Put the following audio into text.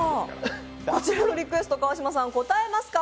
こちらのリクエスト川島さん、応えますか？